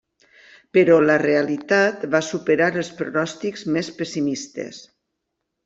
Però la realitat va superar els pronòstics més pessimistes.